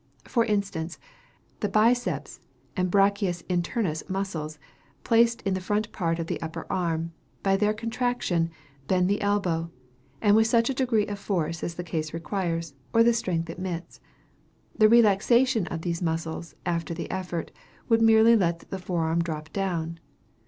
For instance, the biceps and brachiaeus internus muscles, placed in the front part of the upper arm, by their contraction, bend the elbow, and with such a degree of force as the case requires, or the strength admits. The relaxation of these muscles, after the effort, would merely let the fore arm drop down.